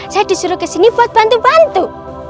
saya disuruh kesini buat bantu bantu